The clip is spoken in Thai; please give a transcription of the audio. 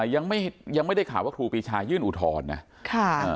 ยังไม่ได้ยังไม่ได้ข่าวว่าครูปีชายื่นอุทธรณ์นะค่ะอ่า